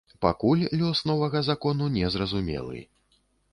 Пакуль лёс новага закону не зразумелы.